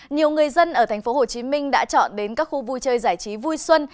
nhiều người dân ở thành phố hồ chí minh đã chọn đến các khu vui chơi giải trí vui xuân